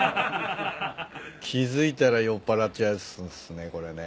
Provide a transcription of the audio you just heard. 気付いたら酔っぱらっちゃうやつっすねこれね。